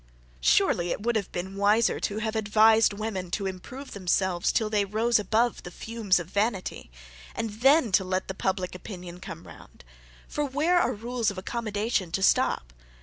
Surely it would have been wiser to have advised women to improve themselves till they rose above the fumes of vanity; and then to let the public opinion come round for where are rules of accommodation to stop?